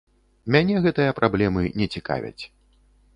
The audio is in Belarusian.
Мяне гэтыя праблемы не цікавяць.